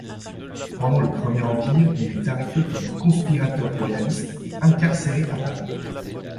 Pendant le Premier Empire, il est arrêté comme conspirateur royaliste et incarcéré à Paris.